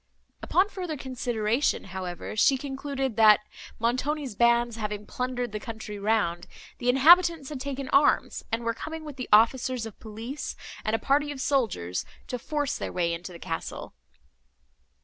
Upon further consideration, however, she concluded, that, Montoni's bands having plundered the country round, the inhabitants had taken arms, and were coming with the officers of police and a party of soldiers, to force their way into the castle.